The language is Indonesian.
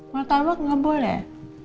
matabak gak boleh